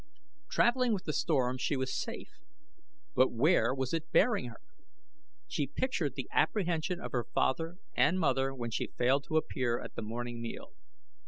Traveling with the storm she was safe, but where was it bearing her? She pictured the apprehension of her father and mother when she failed to appear at the morning meal.